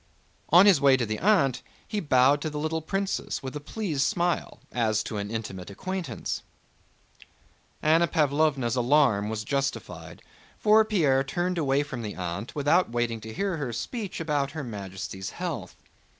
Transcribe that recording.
On his way to the aunt he bowed to the little princess with a pleased smile, as to an intimate acquaintance. Anna Pávlovna's alarm was justified, for Pierre turned away from the aunt without waiting to hear her speech about Her Majesty's health.